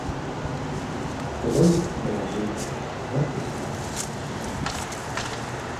• Bilim moziydir, hikmat esa istiqbol.